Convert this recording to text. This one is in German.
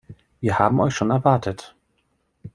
Wir haben euch schon erwartet.